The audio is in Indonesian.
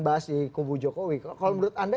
bahas di kubu jokowi kalau menurut anda